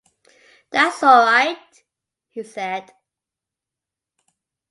“That’s all right!” he said.